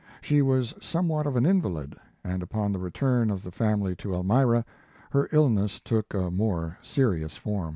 She was somewhat of an invalid, and upon the return of the family to Elmira, her illness took a more serious form.